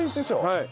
はい。